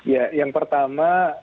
ya yang pertama